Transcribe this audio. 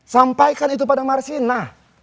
sampaikan itu pada marsina